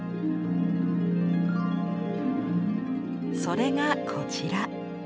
それがこちら。